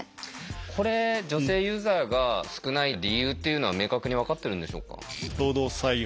これ女性ユーザーが少ない理由っていうのは明確に分かってるんでしょうか？